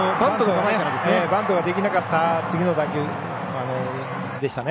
バントができなかった次の打球でしたね。